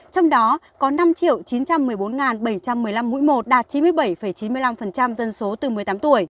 trong đó có năm chín trăm một mươi bốn bảy trăm một mươi năm mũi một đạt chín mươi bảy chín mươi năm dân số từ một mươi tám tuổi